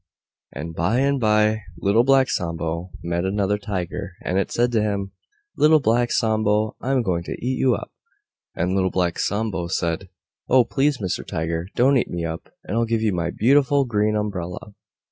And by and by Little Black Sambo met another Tiger, and it said to him, "Little Black Sambo, I'm going to eat you up!" And Little Black Sambo said, "Oh! Please Mr. Tiger, don't eat me up, and I'll give you my beautiful Green Umbrella."